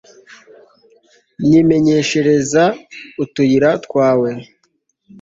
nyimenyeshereza utuyira twawe